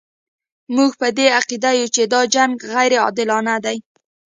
موږ په دې عقیده یو چې دا جنګ غیر عادلانه دی.